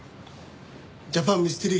『ジャパン・ミステリー』